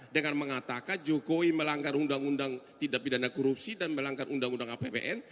dengan mengatakan jokowi melanggar undang undang tidak pidana korupsi dan melanggar undang undang apbn